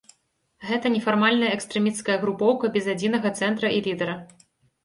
Гэта нефармальная экстрэмісцкая групоўка без адзінага цэнтра і лідара.